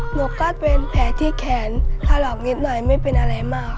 หนูก็เป็นแผลที่แขนถลอกนิดหน่อยไม่เป็นอะไรมาก